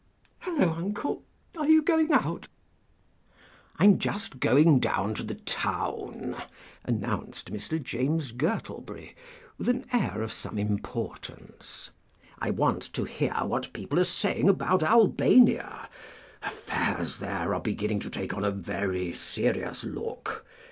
Hullo, Uncle, are you going out?" "I'm just going down to the town," announced Mr. James Gurtleberry, with an air of some importance: "I want to hear what people are saying about Albania. Affairs there are beginning to take on a very serious look.